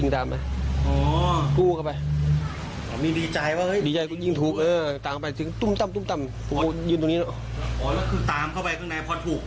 ตามเข้าไปถึงตุ้มตัมตุ้มตัมมองมอยู่ตรงนี้